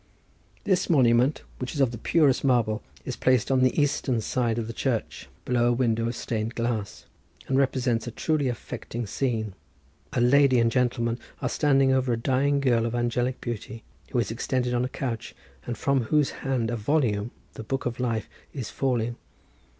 This monument, which is of the purest marble, is placed on the eastern side of the church, below a window of stained glass, and represents a truly affecting scene: a lady and gentleman are standing over a dying girl of angelic beauty who is extended on a couch, and from whose hand a volume, the Book of Life, is falling.